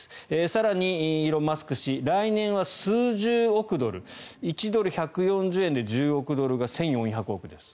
更に、イーロン・マスク氏来年は数十億ドル１ドル＝１４０円で１０億ドルが１４００億円です。